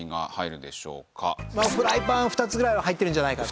フライパン２つぐらいは入ってるんじゃないかと。